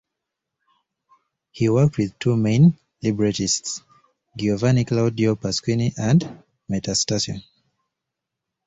He worked with two main librettists: Giovanni Claudio Pasquini and Metastasio.